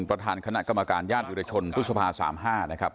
ประธานคณะกรรมการญาติวิรชนพฤษภา๓๕นะครับ